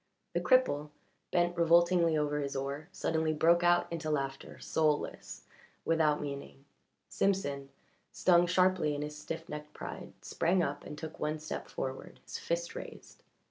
The cripple, bent revoltingly over his oar, suddenly broke out into laughter, soulless, without meaning. Simpson, stung sharply in his stiff necked pride, sprang up and took one step forward, his fist raised.